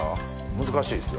難しいですよ。